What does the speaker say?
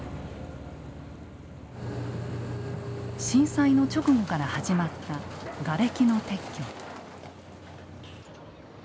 震災の直後から始まったガレキの撤去。